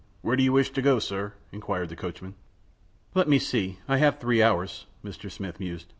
"Where do you wish to go, sir?" inquired the coachman. "Let me see; I have three hours," Mr. Smith mused.